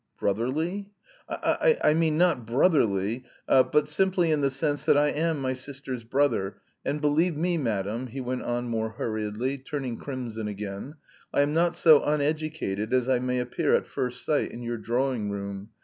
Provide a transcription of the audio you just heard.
"Brotherly?" "I mean, not brotherly, but simply in the sense that I am my sister's brother; and believe me, madam," he went on more hurriedly, turning crimson again, "I am not so uneducated as I may appear at first sight in your drawing room.